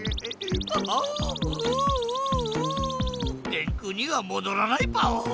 電空にはもどらないパオ。